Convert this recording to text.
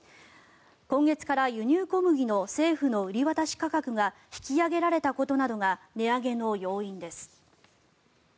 今月から輸入小麦の政府の売り渡し価格が引き上げられたことなどが値上げの要因です。